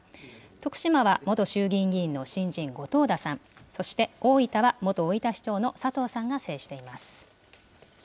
徳島は元衆議院議員の新人、後藤田さん、そして大分は元大分市長の佐藤さんが制しています。